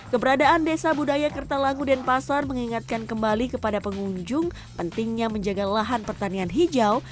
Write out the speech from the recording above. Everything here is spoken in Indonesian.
keberadaan desa budaya kertalangu denpasar mengingatkan kembali kepada pengunjung pentingnya menjaga lahan pertanian hijau